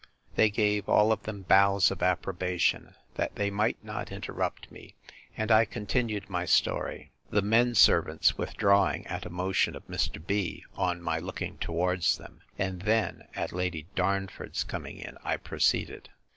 They gave all of them bows of approbation, that they might not interrupt me; and I continued my story—the men servants withdrawing, at a motion of Mr. B——, on my looking towards them: and then, at Lady Darnford's coming in, I proceeded.